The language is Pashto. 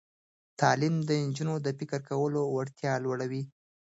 تعلیم د نجونو د فکر کولو وړتیا لوړوي.